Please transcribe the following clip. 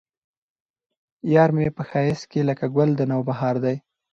يار مې په ښايست کې لکه ګل د نوبهار دى